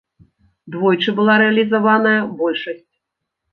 Двойчы была рэалізаваная большасць.